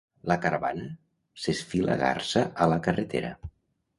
La caravana s’esfilagarsa a la carretera.